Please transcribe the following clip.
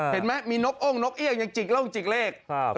เห็นไหมมีนกอ้งนกเอี่ยงยังจิกโล่งจิกเลข